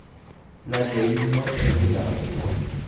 L'ageismo è vietato.